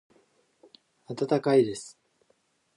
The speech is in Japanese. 温かいです。